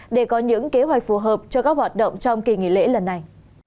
để có những kế hoạch phù hợp cho các hoạt động trong kỳ nghỉ lễ lần này